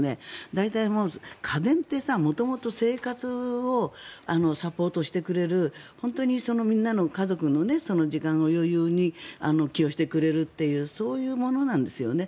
大体、家電って元々、生活をサポートしてくれる本当に、みんなの家族の時間の余裕に寄与してくれるというそういうものなんですよね。